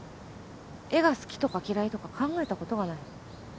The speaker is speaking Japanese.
絵が好きとか嫌いとか考えたことがない。